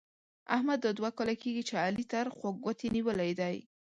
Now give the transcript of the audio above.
احمد دا دوه کاله کېږي چې علي تر خوږ ګوتې نيولې دی.